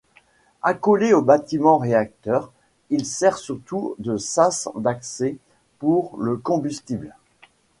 Accolé au bâtiment réacteur, il sert surtout de sas d'accès pour le combustible.